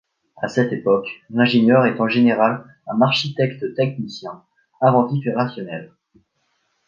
À cette époque, l'ingénieur est en général un architecte-technicien, inventif et rationnel.